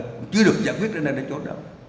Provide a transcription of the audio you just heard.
cũng chưa được giải quyết cho nên nó trốn